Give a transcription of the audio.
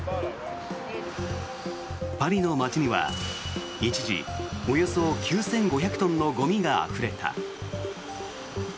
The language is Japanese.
パリの街には一時およそ９５００トンのゴミがあふれた。